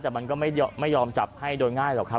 แต่มันก็ไม่ยอมจับให้โดยง่ายหรอกครับ